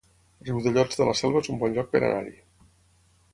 Riudellots de la Selva es un bon lloc per anar-hi